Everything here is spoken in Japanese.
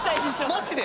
マジで？